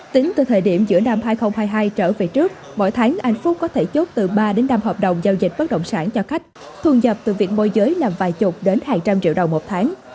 tính từ thời điểm giữa năm hai nghìn hai mươi hai trở về trước mỗi tháng anh phúc có thể chốt từ ba đến năm hợp đồng giao dịch bất động sản cho khách thu nhập từ việc môi giới làm vài chục đến hàng trăm triệu đồng một tháng